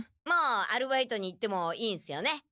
もうアルバイトに行ってもいいんすよね？